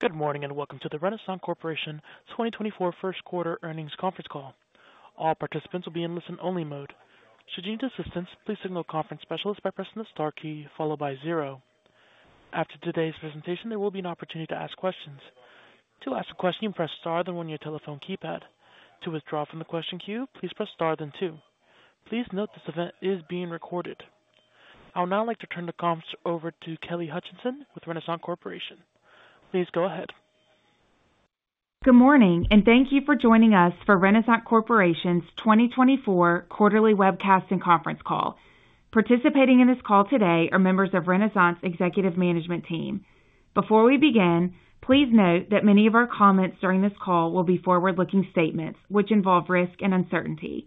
Good morning, and welcome to the Renasant Corporation 2024 first quarter earnings conference call. All participants will be in listen-only mode. Should you need assistance, please signal a conference specialist by pressing the star key followed by zero. After today's presentation, there will be an opportunity to ask questions. To ask a question, press Star then one on your telephone keypad. To withdraw from the question queue, please press Star then two. Please note this event is being recorded. I would now like to turn the conference over to Kelly Hutcheson with Renasant Corporation. Please go ahead. Good morning, and thank you for joining us for Renasant Corporation's 2024 quarterly webcast and conference call. Participating in this call today are members of Renasant's executive management team. Before we begin, please note that many of our comments during this call will be forward-looking statements, which involve risk and uncertainty.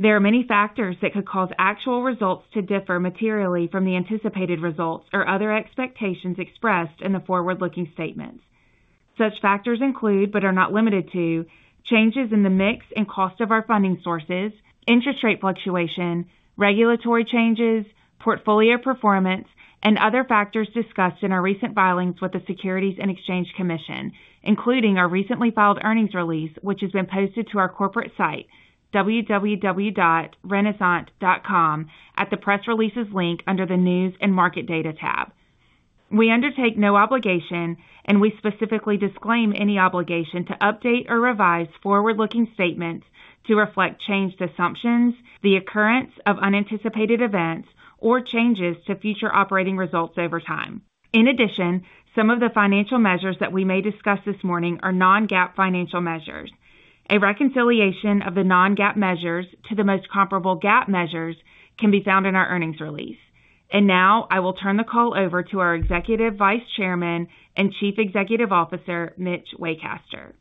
There are many factors that could cause actual results to differ materially from the anticipated results or other expectations expressed in the forward-looking statements. Such factors include, but are not limited to, changes in the mix and cost of our funding sources, interest rate fluctuation, regulatory changes, portfolio performance, and other factors discussed in our recent filings with the Securities and Exchange Commission, including our recently filed earnings release, which has been posted to our corporate site, www.renasant.com, at the Press Releases link under the News and Market Data tab. We undertake no obligation, and we specifically disclaim any obligation to update or revise forward-looking statements to reflect changed assumptions, the occurrence of unanticipated events, or changes to future operating results over time. In addition, some of the financial measures that we may discuss this morning are non-GAAP financial measures. A reconciliation of the non-GAAP measures to the most comparable GAAP measures can be found in our earnings release. And now I will turn the call over to our Executive Vice Chairman and Chief Executive Officer, Mitch Waycaster.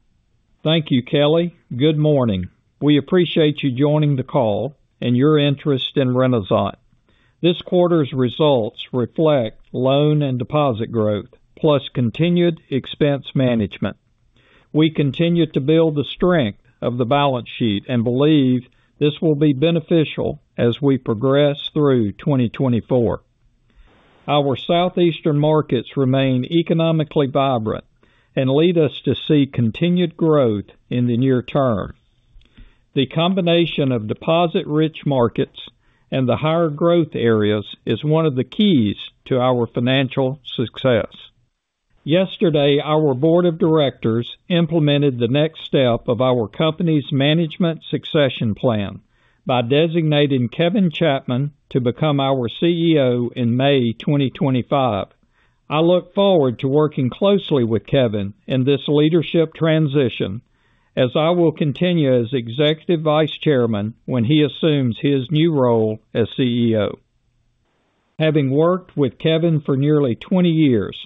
Thank you, Kelly. Good morning. We appreciate you joining the call and your interest in Renasant. This quarter's results reflect loan and deposit growth, plus continued expense management. We continue to build the strength of the balance sheet and believe this will be beneficial as we progress through 2024. Our Southeastern markets remain economically vibrant and lead us to see continued growth in the near term. The combination of deposit-rich markets and the higher growth areas is one of the keys to our financial success. Yesterday, our board of directors implemented the next step of our company's management succession plan by designating Kevin Chapman to become our CEO in May 2025. I look forward to working closely with Kevin in this leadership transition, as I will continue as Executive Vice Chairman when he assumes his new role as CEO. Having worked with Kevin for nearly 20 years,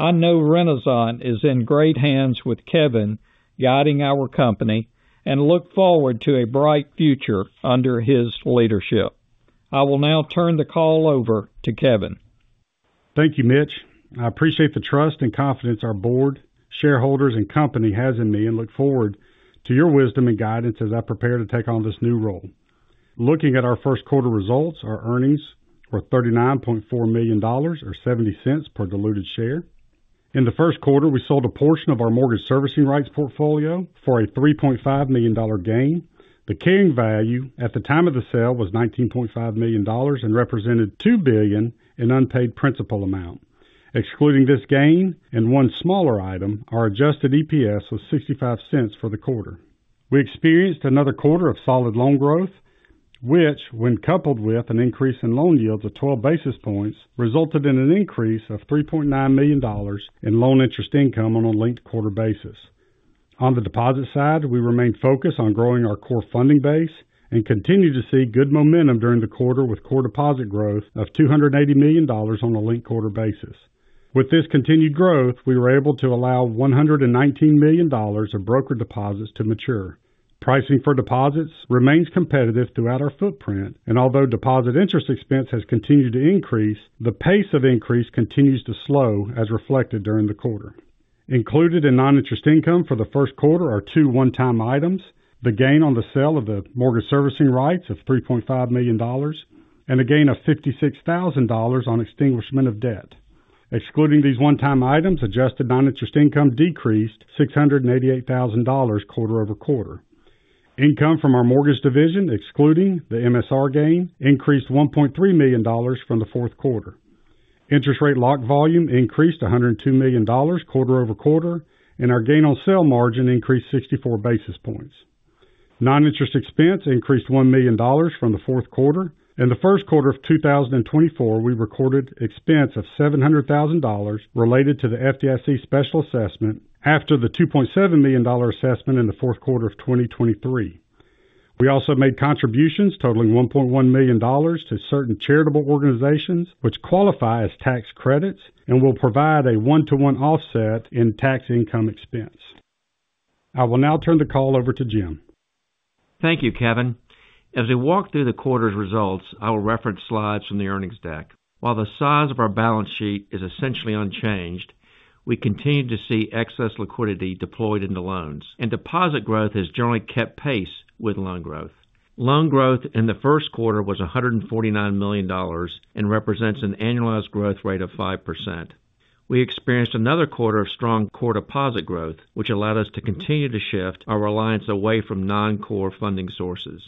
I know Renasant is in great hands with Kevin guiding our company and look forward to a bright future under his leadership. I will now turn the call over to Kevin. Thank you, Mitch. I appreciate the trust and confidence our board, shareholders, and company has in me and look forward to your wisdom and guidance as I prepare to take on this new role. Looking at our first quarter results, our earnings were $39.4 million, or $0.70 per diluted share. In the first quarter, we sold a portion of our mortgage servicing rights portfolio for a $3.5 million gain. The carrying value at the time of the sale was $19.5 million and represented $2 billion in unpaid principal amount. Excluding this gain and one smaller item, our adjusted EPS was $0.65 for the quarter. We experienced another quarter of solid loan growth, which, when coupled with an increase in loan yield of 12 basis points, resulted in an increase of $3.9 million in loan interest income on a linked-quarter basis. On the deposit side, we remained focused on growing our core funding base and continued to see good momentum during the quarter, with core deposit growth of $280 million on a linked-quarter basis. With this continued growth, we were able to allow $119 million of broker deposits to mature. Pricing for deposits remains competitive throughout our footprint, and although deposit interest expense has continued to increase, the pace of increase continues to slow, as reflected during the quarter. Included in non-interest income for the first quarter are two one-time items: the gain on the sale of the mortgage servicing rights of $3.5 million and a gain of $56 thousand on extinguishment of debt. Excluding these one-time items, adjusted non-interest income decreased $688 thousand quarter-over-quarter. Income from our mortgage division, excluding the MSR gain, increased $1.3 million from the fourth quarter. Interest rate lock volume increased $102 million quarter-over-quarter, and our gain-on-sale margin increased 64 basis points. Non-interest expense increased $1 million from the fourth quarter. In the first quarter of 2024, we recorded expense of $700 thousand related to the FDIC special assessment after the $2.7 million assessment in the fourth quarter of 2023. We also made contributions totaling $1.1 million to certain charitable organizations, which qualify as tax credits and will provide a one-to-one offset in income tax expense. I will now turn the call over to Jim. Thank you, Kevin. As we walk through the quarter's results, I will reference slides from the earnings deck. While the size of our balance sheet is essentially unchanged, we continue to see excess liquidity deployed into loans, and deposit growth has generally kept pace with loan growth. Loan growth in the first quarter was $149 million and represents an annualized growth rate of 5%. We experienced another quarter of strong core deposit growth, which allowed us to continue to shift our reliance away from non-core funding sources.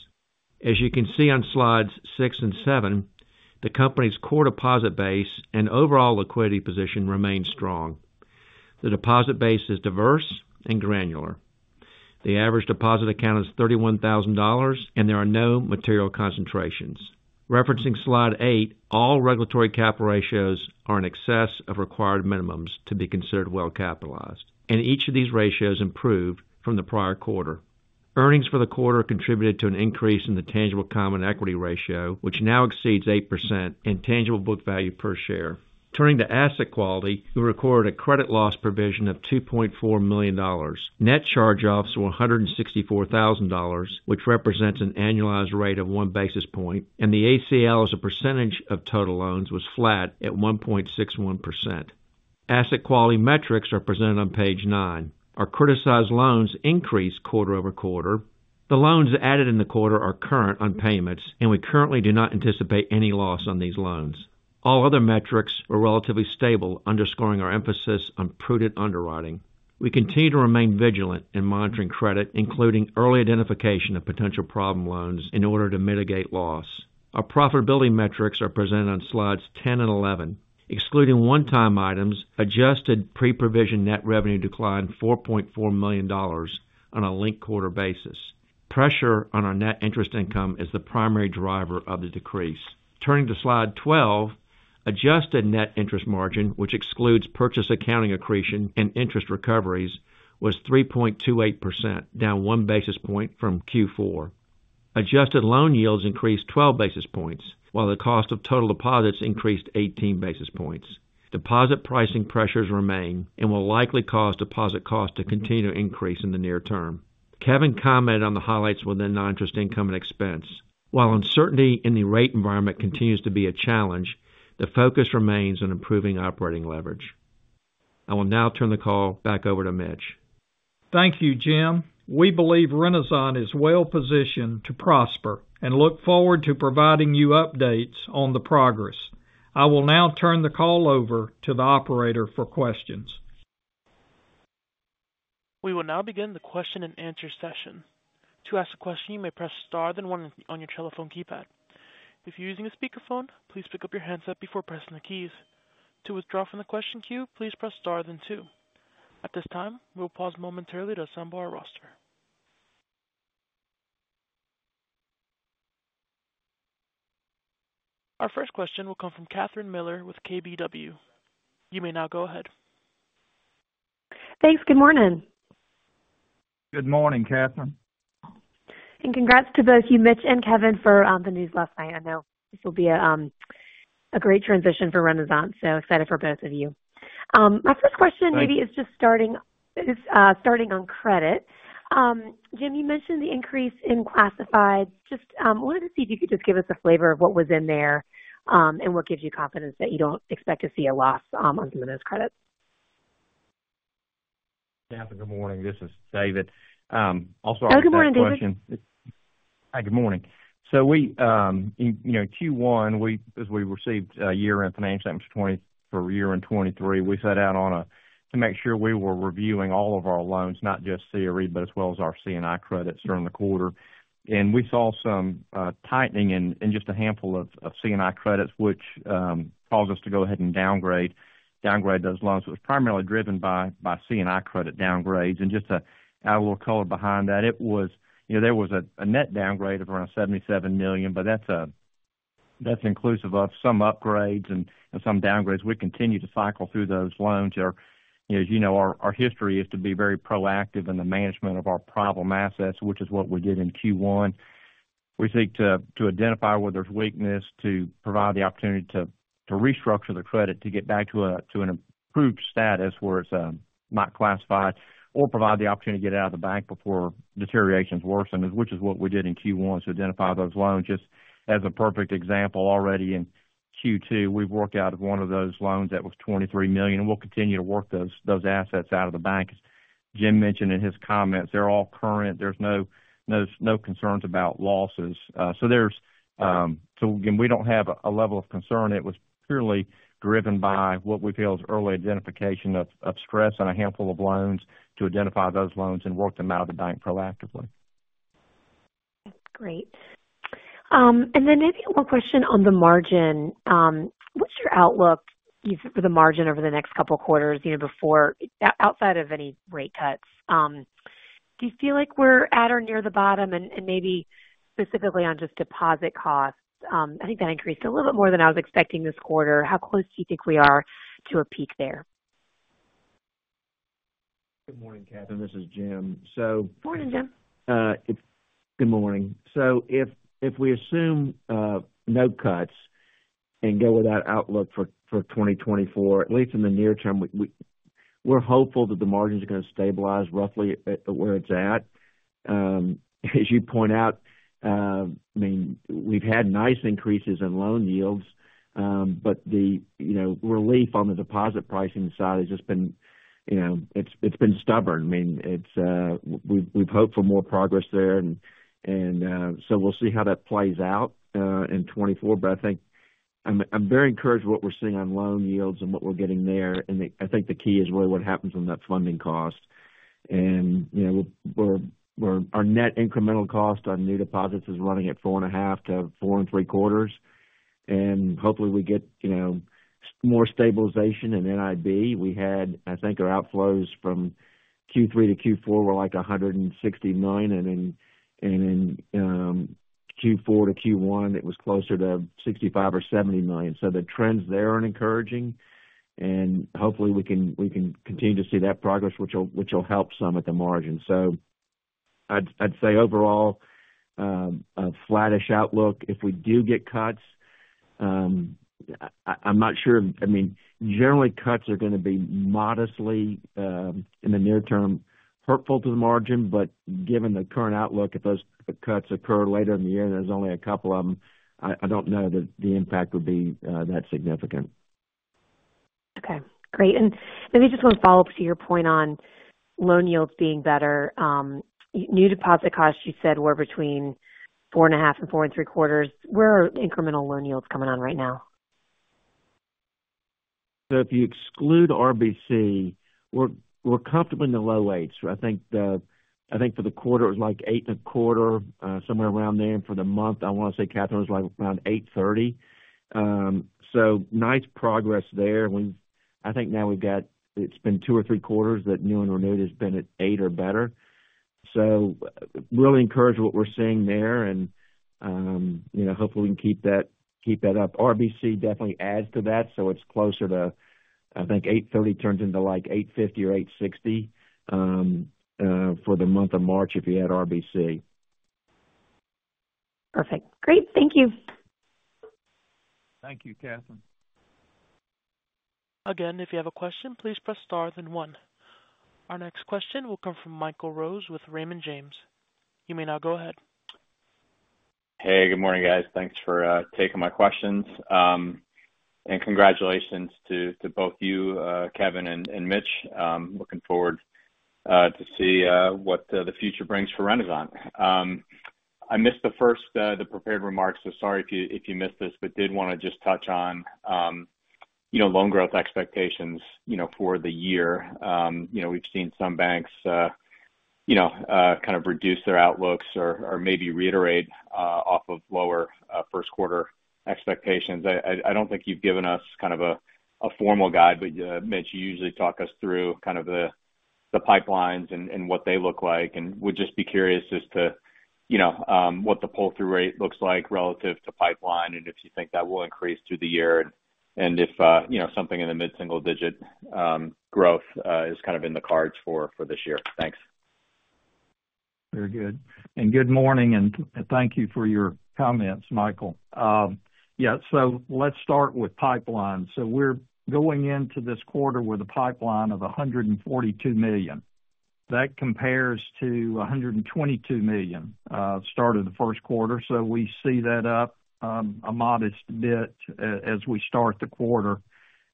As you can see on slides 6 and 7, the company's core deposit base and overall liquidity position remains strong. The deposit base is diverse and granular. The average deposit account is $31,000, and there are no material concentrations. Referencing slide 8, all regulatory capital ratios are in excess of required minimums to be considered well capitalized, and each of these ratios improved from the prior quarter. Earnings for the quarter contributed to an increase in the tangible common equity ratio, which now exceeds 8% in tangible book value per share. Turning to asset quality, we recorded a credit loss provision of $2.4 million. Net charge-offs were $164,000, which represents an annualized rate of 1 basis point, and the ACL as a percentage of total loans was flat at 1.61%. Asset quality metrics are presented on page 9. Our criticized loans increased quarter-over-quarter. The loans added in the quarter are current on payments, and we currently do not anticipate any loss on these loans. All other metrics are relatively stable, underscoring our emphasis on prudent underwriting. We continue to remain vigilant in monitoring credit, including early identification of potential problem loans in order to mitigate loss. Our profitability metrics are presented on slides 10 and 11. Excluding one-time items, adjusted pre-provision net revenue declined $4.4 million on a linked-quarter basis. Pressure on our net interest income is the primary driver of the decrease. Turning to slide 12, adjusted net interest margin, which excludes purchase accounting accretion and interest recoveries, was 3.28%, down 1 basis point from Q4. Adjusted loan yields increased 12 basis points, while the cost of total deposits increased 18 basis points. Deposit pricing pressures remain and will likely cause deposit costs to continue to increase in the near term. Kevin commented on the highlights within non-interest income and expense. While uncertainty in the rate environment continues to be a challenge, the focus remains on improving operating leverage. I will now turn the call back over to Mitch. Thank you, Jim. We believe Renasant is well positioned to prosper and look forward to providing you updates on the progress. I will now turn the call over to the operator for questions. We will now begin the question and answer session. To ask a question, you may press star then one on your telephone keypad. If you're using a speakerphone, please pick up your handset before pressing the keys. To withdraw from the question queue, please press star then two. At this time, we'll pause momentarily to assemble our roster. Our first question will come from Catherine Mealor with KBW. You may now go ahead. Thanks. Good morning. Good morning, Catherine. Congrats to both you, Mitch and Kevin, for the news last night. I know this will be a great transition for Renasant, so excited for both of you. My first question maybe is just starting on credit. Jim, you mentioned the increase in classified. Just wanted to see if you could just give us a flavor of what was in there, and what gives you confidence that you don't expect to see a loss on some of those credits. Catherine, good morning, this is David. Also- Good morning, David. Hi, good morning. So we, you know, Q1, we—as we received a year-end financial, which is for year-end 2023, we set out to make sure we were reviewing all of our loans, not just CRE, but as well as our C&I credits during the quarter. And we saw some tightening in just a handful of C&I credits, which caused us to go ahead and downgrade those loans. It was primarily driven by C&I credit downgrades. And just to add a little color behind that, it was, you know, there was a net downgrade of around $77 million, but that's inclusive of some upgrades and some downgrades. We continue to cycle through those loans. As you know, our history is to be very proactive in the management of our problem assets, which is what we did in Q1. We seek to identify where there's weakness, to provide the opportunity to restructure the credit, to get back to an improved status where it's not classified or provide the opportunity to get out of the bank before deterioration is worsened, which is what we did in Q1, to identify those loans. Just as a perfect example, already in Q2, we've worked out of one of those loans that was $23 million, and we'll continue to work those assets out of the bank. As Jim mentioned in his comments, they're all current. There's no concerns about losses. So there's. So again, we don't have a level of concern. It was purely driven by what we feel is early identification of stress on a handful of loans, to identify those loans and work them out of the bank proactively. That's great. And then maybe one question on the margin. What's your outlook for the margin over the next couple of quarters, you know, before, outside of any rate cuts? Do you feel like we're at or near the bottom? And maybe specifically on just deposit costs, I think that increased a little bit more than I was expecting this quarter. How close do you think we are to a peak there? Good morning, Catherine. This is Jim. Morning, Jim. Good morning. So if we assume no cuts and go with that outlook for 2024, at least in the near term, we're hopeful that the margins are going to stabilize roughly at where it's at. As you point out, I mean, we've had nice increases in loan yields, but the, you know, relief on the deposit pricing side has just been, you know, it's been stubborn. I mean, it's, we've hoped for more progress there, and so we'll see how that plays out in 2024. But I think I'm very encouraged what we're seeing on loan yields and what we're getting there. And I think the key is really what happens on that funding cost. And, you know, we're, our net incremental cost on new deposits is running at 4.5%-4.75%, and hopefully we get, you know, more stabilization in NIB. We had, I think, our outflows from Q3 to Q4 were, like, $169 million, and in Q4 to Q1, it was closer to $65 million-$70 million. So the trends there are encouraging, and hopefully we can continue to see that progress, which will help some at the margin. So I'd say overall, a flattish outlook. If we do get cuts, I'm not sure. I mean, generally, cuts are gonna be modestly, in the near term, hurtful to the margin, but given the current outlook, if those cuts occur later in the year, there's only a couple of them, I don't know that the impact would be that significant. Okay, great. And maybe just one follow-up to your point on loan yields being better. New deposit costs, you said, were between 4.5% and 4.75%. Where are incremental loan yields coming on right now? So if you exclude RBC, we're comfortably in the low 8s. I think for the quarter, it was like 8.25%, somewhere around there. And for the month, I want to say, Catherine, it was like around 8.30%. So nice progress there. I think now we've got, it's been two or three quarters that new and renewed has been at 8% or better. So really encouraged what we're seeing there, and, you know, hopefully we can keep that, keep that up. RBC definitely adds to that, so it's closer to, I think, 8.30% turns into, like, 8.50% or 8.60%, for the month of March, if you add RBC. Perfect. Great. Thank you. Thank you, Catherine. Again, if you have a question, please press Star then one. Our next question will come from Michael Rose with Raymond James. You may now go ahead. Hey, good morning, guys. Thanks for taking my questions. And congratulations to both of you, Kevin and Mitch. Looking forward to see what the future brings for Renasant. I missed the first prepared remarks, so sorry if you missed this, but did want to just touch on, you know, loan growth expectations, you know, for the year. You know, we've seen some banks, you know, kind of reduce their outlooks or maybe reiterate off of lower first quarter expectations. I don't think you've given us kind of a formal guide, but Mitch, you usually talk us through kind of the pipelines and what they look like, and would just be curious as to, you know, what the pull-through rate looks like relative to pipeline, and if you think that will increase through the year and if, you know, something in the mid-single digit growth is kind of in the cards for this year. Thanks. Very good. Good morning, and thank you for your comments, Michael. Yeah, so let's start with pipeline. We're going into this quarter with a pipeline of $142 million. That compares to $122 million start of the first quarter. We see that up a modest bit as we start the quarter.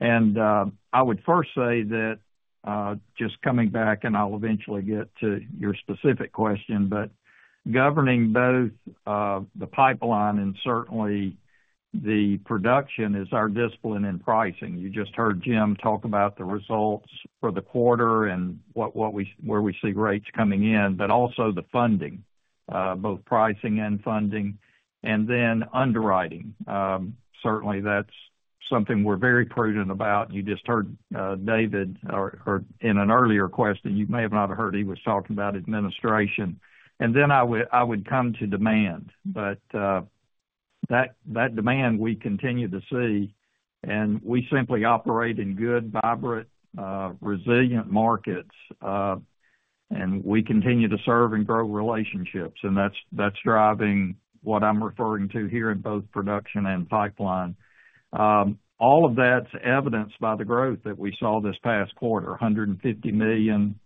I would first say that just coming back and I'll eventually get to your specific question, but governing both the pipeline and certainly the production is our discipline in pricing. You just heard Jim talk about the results for the quarter and what we see rates coming in, but also the funding both pricing and funding, and then underwriting. Certainly, that's something we're very prudent about. You just heard, David, or in an earlier question, you may have not heard, he was talking about administration. And then I would come to demand, but that demand we continue to see, and we simply operate in good, vibrant, resilient markets, and we continue to serve and grow relationships, and that's driving what I'm referring to here in both production and pipeline. All of that's evidenced by the growth that we saw this past quarter, $150 million,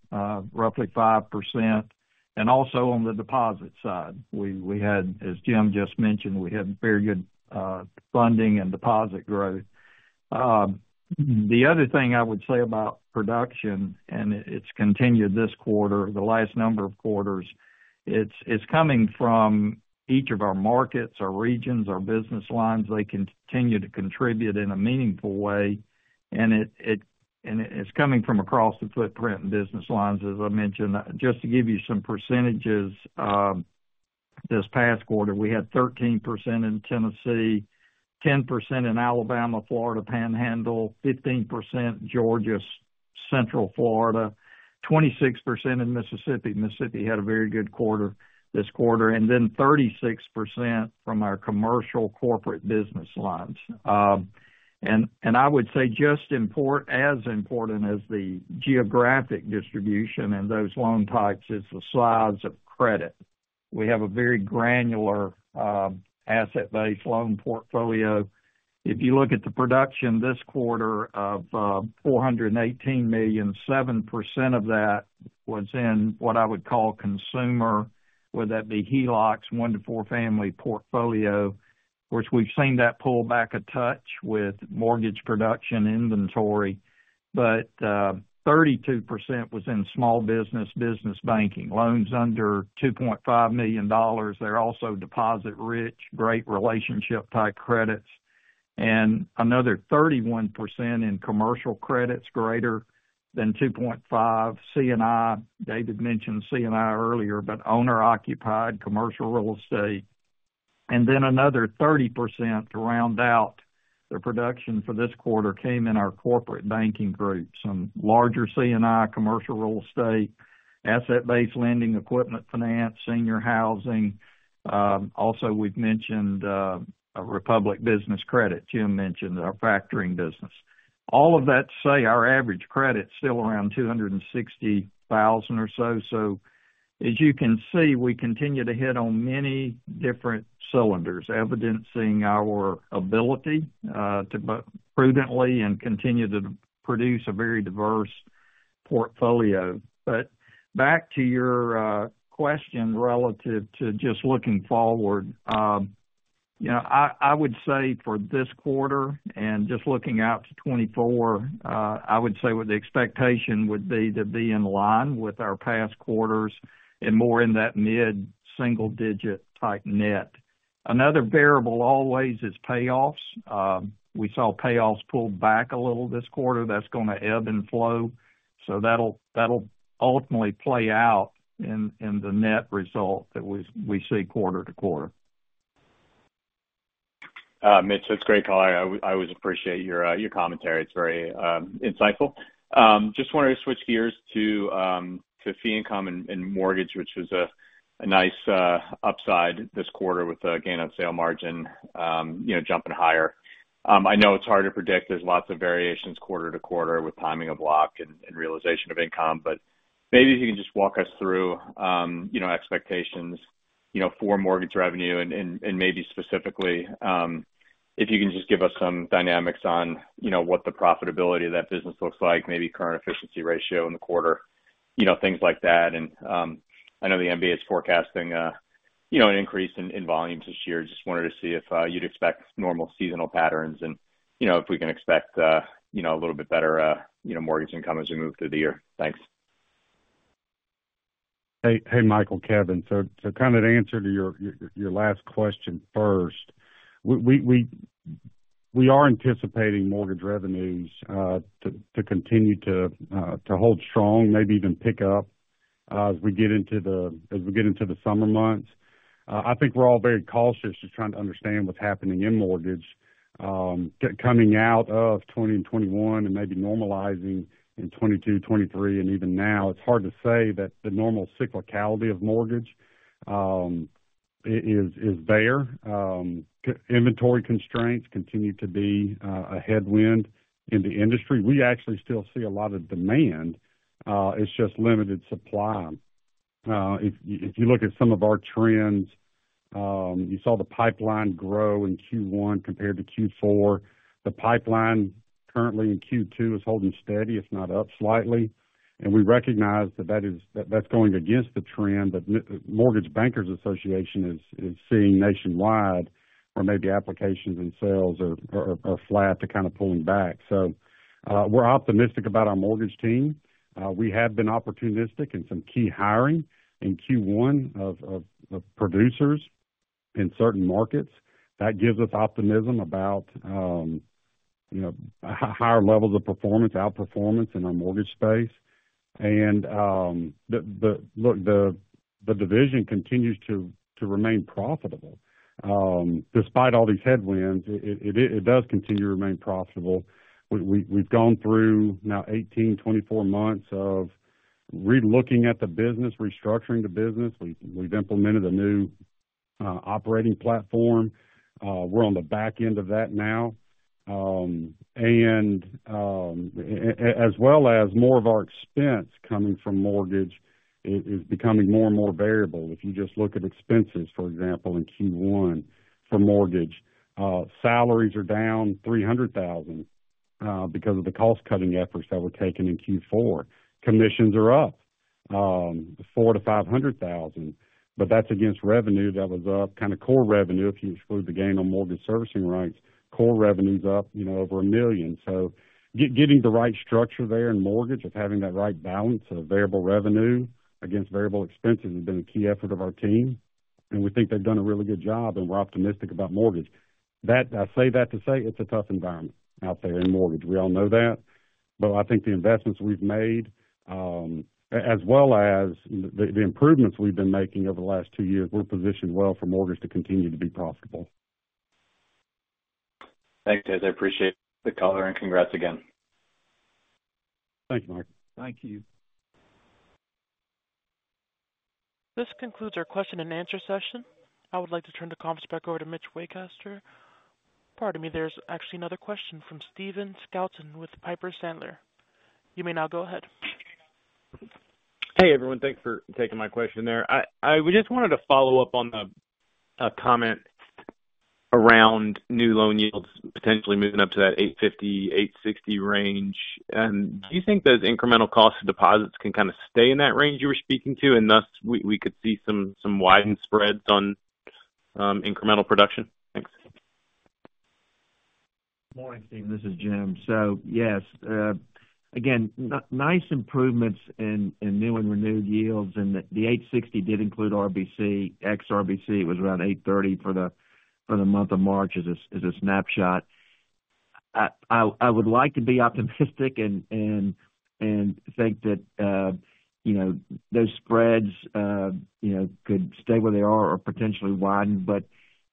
roughly 5%. And also on the deposit side, we had, as Jim just mentioned, we had very good, funding and deposit growth. The other thing I would say about production, and it's continued this quarter, the last number of quarters, it's coming from each of our markets, our regions, our business lines. They continue to contribute in a meaningful way, and it, and it's coming from across the footprint and business lines, as I mentioned. Just to give you some percentages, this past quarter, we had 13% in Tennessee, 10% in Alabama, Florida Panhandle, 15% Georgia, Central Florida, 26% in Mississippi. Mississippi had a very good quarter this quarter, and then 36% from our commercial corporate business lines. And I would say just as important as the geographic distribution and those loan types is the quality of credit. We have a very granular asset-based loan portfolio. If you look at the production this quarter of $418 million, 7% of that was in what I would call consumer, whether that be HELOCs, 1-4 family portfolio, which we've seen that pull back a touch with mortgage production inventory. But 32% was in small business, business banking, loans under $2.5 million. They're also deposit rich, great relationship type credits, and another 31% in commercial credits greater than 2.5, C&I. David mentioned C&I earlier, but owner-occupied commercial real estate. And then another 30% to round out the production for this quarter came in our corporate banking group. Some larger C&I, commercial real estate, asset-based lending, equipment finance, senior housing. Also, we've mentioned a Republic Business Credit. Jim mentioned our factoring business. All of that to say our average credit's still around 260,000 or so. So as you can see, we continue to hit on many different cylinders, evidencing our ability to both prudently and continue to produce a very diverse portfolio. But back to your question, relative to just looking forward. You know, I would say for this quarter and just looking out to 2024, I would say what the expectation would be to be in line with our past quarters and more in that mid-single digit type net. Another variable always is payoffs. We saw payoffs pull back a little this quarter. That's gonna ebb and flow, so that'll ultimately play out in the net result that we see quarter-to-quarter. Mitch, it's a great call. I always appreciate your commentary. It's very insightful. Just wanted to switch gears to fee income and mortgage, which was a nice upside this quarter with a gain-on-sale margin, you know, jumping higher. I know it's hard to predict. There's lots of variations quarter to quarter with timing of lock and realization of income, but maybe if you can just walk us through, you know, expectations, you know, for mortgage revenue and maybe specifically, if you can just give us some dynamics on, you know, what the profitability of that business looks like, maybe current efficiency ratio in the quarter, you know, things like that. And I know the MBA is forecasting, you know, an increase in volumes this year. Just wanted to see if you'd expect normal seasonal patterns and, you know, if we can expect, you know, a little bit better, you know, mortgage income as we move through the year. Thanks. Hey, hey, Michael, Kevin. So to kind of answer your last question first, we are anticipating mortgage revenues to continue to hold strong, maybe even pick up, as we get into the summer months. I think we're all very cautious just trying to understand what's happening in mortgage. Coming out of 2020 and 2021 and maybe normalizing in 2022, 2023, and even now, it's hard to say that the normal cyclicality of mortgage is there. Inventory constraints continue to be a headwind in the industry. We actually still see a lot of demand, it's just limited supply. If you look at some of our trends, you saw the pipeline grow in Q1 compared to Q4. The pipeline currently in Q2 is holding steady, if not up slightly, and we recognize that that's going against the trend that Mortgage Bankers Association is seeing nationwide, where maybe applications and sales are flat to kind of pulling back. So, we're optimistic about our mortgage team. We have been opportunistic in some key hiring in Q1 of producers in certain markets. That gives us optimism about, you know, higher levels of performance, outperformance in our mortgage space. And, look, the division continues to remain profitable. Despite all these headwinds, it does continue to remain profitable. We've gone through now 18, 24 months of relooking at the business, restructuring the business. We've implemented a new operating platform. We're on the back end of that now. And, as well as more of our expense coming from mortgage is becoming more and more variable. If you just look at expenses, for example, in Q1 for mortgage, salaries are down $300,000, because of the cost-cutting efforts that were taken in Q4. Commissions are up $400,000-$500,000, but that's against revenue that was up, kind of, core revenue, if you exclude the gain on mortgage servicing rights, core revenue's up, you know, over $1 million. So getting the right structure there in mortgage, of having that right balance of variable revenue against variable expenses has been a key effort of our team, and we think they've done a really good job, and we're optimistic about mortgage. That, I say that to say it's a tough environment out there in mortgage. We all know that, but I think the investments we've made, as well as the improvements we've been making over the last two years, we're positioned well for mortgage to continue to be profitable. Thanks, guys. I appreciate the color, and congrats again. Thank you, Mike. Thank you. This concludes our question and answer session. I would like to turn the conference back over to Mitch Waycaster. Pardon me, there's actually another question from Stephen Scouten with Piper Sandler. You may now go ahead. Hey, everyone. Thanks for taking my question there. I—we just wanted to follow up on the comment around new loan yields potentially moving up to that 8.50%-8.60% range. And do you think those incremental costs of deposits can kind of stay in that range you were speaking to, and thus we could see some widened spreads on incremental production? Thanks. Morning, Stephen, this is Jim. So yes, again, nice improvements in new and renewed yields, and the eight sixty did include RBC. Ex-RBC, it was around eight thirty for the month of March as a snapshot. I would like to be optimistic and think that, you know, those spreads, you know, could stay where they are or potentially widen, but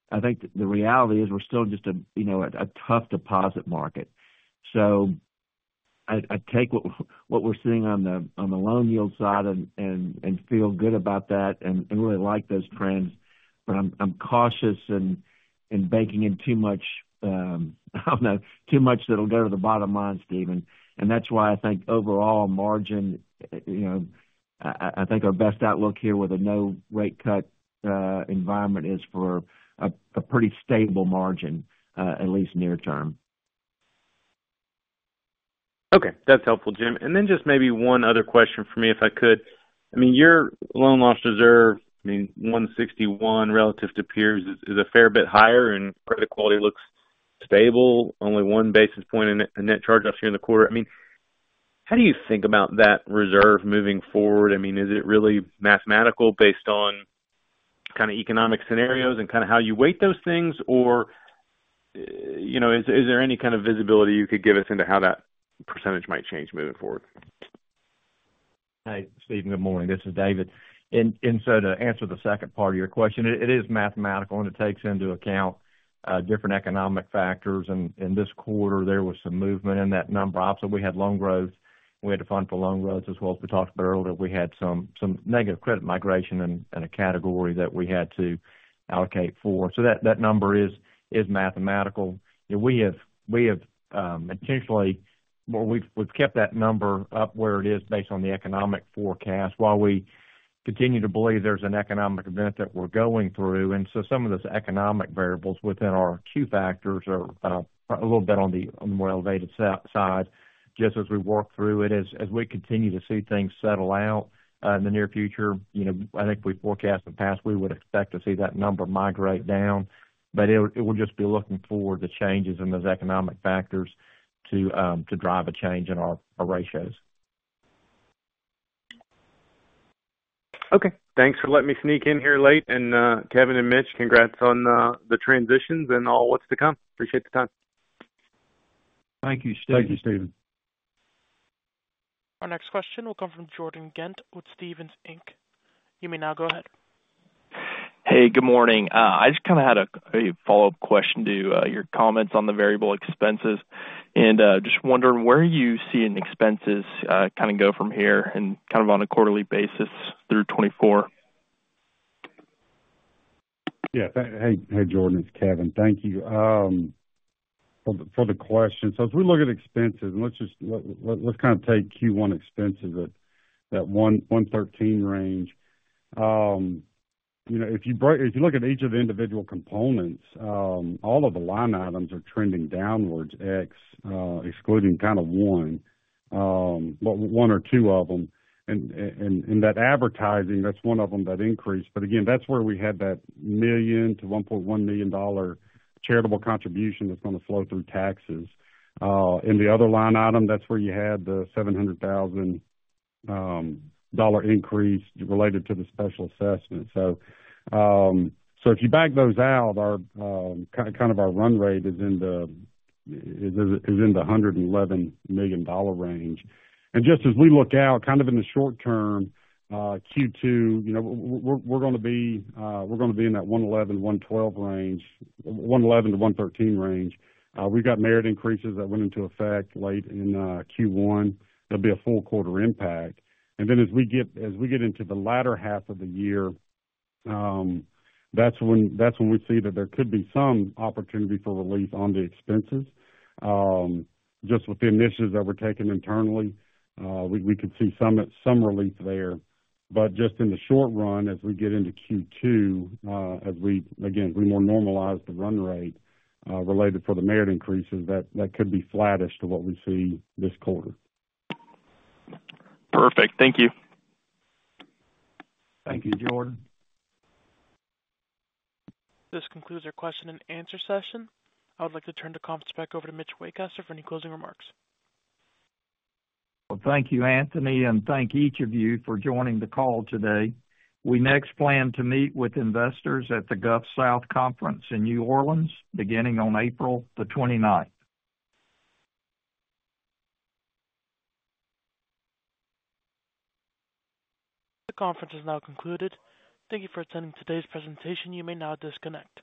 I think the reality is we're still just a, you know, a tough deposit market. So I take what we're seeing on the loan yield side and feel good about that, and I really like those trends, but I'm cautious in baking in too much, I don't know, too much that'll go to the bottom line, Stephen. That's why I think overall margin, you know, I think our best outlook here with a no rate cut environment is for a pretty stable margin, at least near term. Okay. That's helpful, Jim. And then just maybe one other question for me, if I could. I mean, your loan loss reserve, I mean, 1.61 relative to peers is, is a fair bit higher, and credit quality looks stable. Only one basis point in the, in net charge-offs here in the quarter. I mean, how do you think about that reserve moving forward? I mean, is it really mathematical based on kind of economic scenarios and kind of how you weight those things? Or, you know, is, is there any kind of visibility you could give us into how that percentage might change moving forward? Hey, Stephen, good morning. This is David. And so to answer the second part of your question, it is mathematical, and it takes into account different economic factors. And this quarter, there was some movement in that number. Obviously, we had loan growth. We had to fund for loan growth as well, as we talked about earlier. We had some negative credit migration in a category that we had to allocate for. So that number is mathematical. You know, we have intentionally—well, we've kept that number up where it is based on the economic forecast, while we continue to believe there's an economic event that we're going through. And so some of those economic variables within our Q factors are a little bit on the more elevated side. Just as we work through it, as we continue to see things settle out in the near future, you know, I think if we forecast the past, we would expect to see that number migrate down, but it would just be looking forward to changes in those economic factors to drive a change in our ratios. Okay. Thanks for letting me sneak in here late. And, Kevin and Mitch, congrats on the transitions and all what's to come. Appreciate the time. Thank you, Stephen. Thank you, Stephen. Our next question will come from Jordan Ghent with Stephens Inc. You may now go ahead. Hey, good morning. I just kind of had a follow-up question to your comments on the variable expenses. Just wondering, where are you seeing expenses kind of go from here and kind of on a quarterly basis through 2024? Yeah. Hey, hey, Jordan, it's Kevin. Thank you for the question. So as we look at expenses, and let's just take Q1 expenses at that $113 million range. You know, if you look at each of the individual components, all of the line items are trending downwards, excluding kind of one, but one or two of them. And that advertising, that's one of them, that increased. But again, that's where we had that $1 million-$1.1 million charitable contribution that's gonna flow through taxes. And the other line item, that's where you had the $700,000 increase related to the special assessment. So if you back those out, our kind of our run rate is in the $111 million range. And just as we look out, kind of in the short term, Q2, you know, we're gonna be in that $111 million-$112 million range, $111 million-$113 million range. We've got merit increases that went into effect late in Q1. There'll be a full quarter impact. And then as we get into the latter half of the year, that's when we see that there could be some opportunity for relief on the expenses. Just with the initiatives that we're taking internally, we could see some relief there. But just in the short run, as we get into Q2, as we again more normalize the run rate related for the merit increases, that could be flattish to what we see this quarter. Perfect. Thank you. Thank you, Jordan. This concludes our question and answer session. I would like to turn the conference back over to Mitch Waycaster for any closing remarks. Well, thank you, Anthony, and thank each of you for joining the call today. We next plan to meet with investors at the Gulf South Conference in New Orleans, beginning on April the 29th. The conference is now concluded. Thank you for attending today's presentation. You may now disconnect.